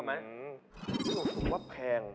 แต่กลัวคิดว่าแพง